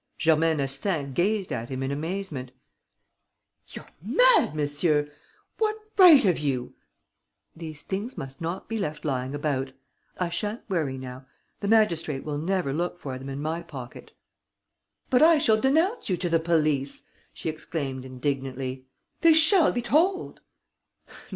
Germaine Astaing gazed at him in amazement: "You're mad, monsieur! What right have you ...?" "These things must not be left lying about. I sha'n't worry now. The magistrate will never look for them in my pocket." "But I shall denounce you to the police," she exclaimed, indignantly. "They shall be told!"